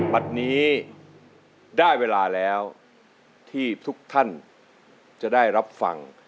วันนี้ได้เวลาแล้วที่ทุกท่านจะได้รับฟัง